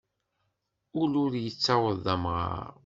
Ul ur yettaweḍ d amɣar.